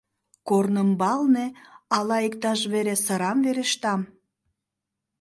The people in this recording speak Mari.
— Корнымбалне ала иктаж вере сырам верештам.